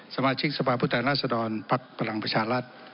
สมาชิกสภาพุทธรรมราชดรภักดิ์ประหลังประชาลรัฐ